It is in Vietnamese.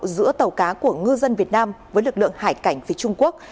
giữa tàu cá của ngư dân việt nam với lực lượng hải cảnh phía trung quốc